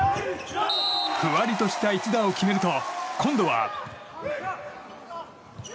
ふわりとした一打を決めると今度は。